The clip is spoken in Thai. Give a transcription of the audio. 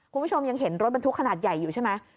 คุณผู้ชมยังเห็นรถบรรทุกขนาดใหญ่อยู่ใช่ไหม